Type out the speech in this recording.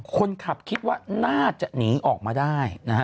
คนขับคิดว่าน่าจะหนีออกมาได้นะฮะ